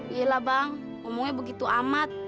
iya lah bang umumnya begitu amat